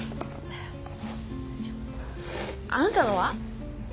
あなたのは？